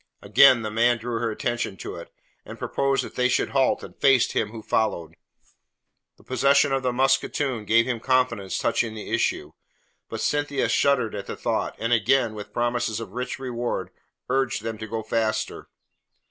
Again the man drew her attention to it, and proposed that they should halt and face him who followed. The possession of the musketoon gave him confidence touching the issue. But Cynthia shuddered at the thought, and again, with promises of rich reward, urged them to go faster.